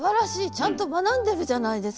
ちゃんと学んでるじゃないですか！